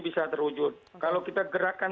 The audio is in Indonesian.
bisa terwujud kalau kita gerakan